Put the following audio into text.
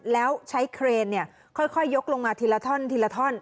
แล้วใช้เครนค่อยยกลงมาทีละท่อนทีละท่อน